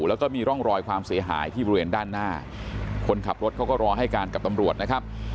แล้วก็มีร่องรอยความเสียหายที่บริเวณด้านหน้าคนขับรถเขาก็รอให้การกับตำรวจนะครับ